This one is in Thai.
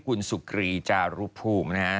คุณสุกรีจารุภูมินะฮะ